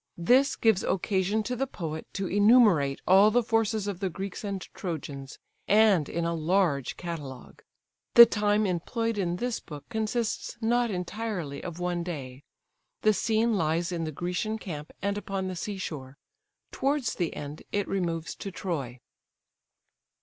This gives occasion to the poet to enumerate all the forces of the Greeks and Trojans, and in a large catalogue. The time employed in this book consists not entirely of one day. The scene lies in the Grecian camp, and upon the sea shore; towards the end it removes to Troy.